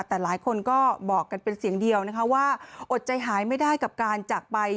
แต่หลายคนก็บอกกันเป็นเสียงเดียวนะคะว่าอดใจหายไม่ได้กับการจากไป